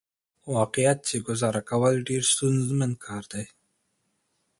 واقعيت چې ګزاره کول ډېره ستونزمن کار دى .